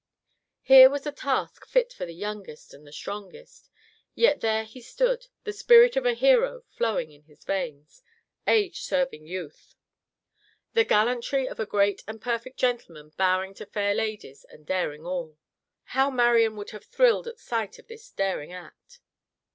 Here was a task fit for the youngest and the strongest; yet there he stood, the spirit of a hero flowing in his veins—age serving youth. The gallantry of a great and perfect gentleman bowing to fair ladies and daring all. How Marian would have thrilled at sight of this daring act.